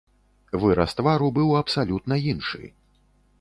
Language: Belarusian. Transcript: Выраз твару быў абсалютна іншы.